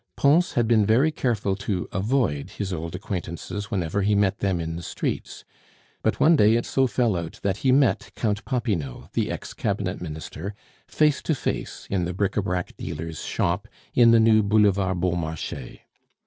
Pons had been very careful to avoid his old acquaintances whenever he met them in the streets; but one day it so fell out that he met Count Popinot, the ex cabinet minister, face to face in the bric a brac dealer's shop in the new Boulevard Beaumarchais.